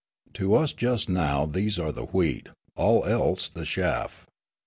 To us just now these are the wheat, all else the chaff.